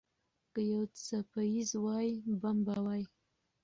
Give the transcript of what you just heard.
که یو څپیز وای، بم به وای.